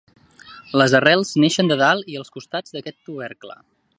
Les arrels neixen de dalt i els costats d'aquest tubercle.